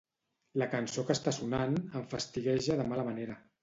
La cançó que està sonant em fastigueja de mala manera.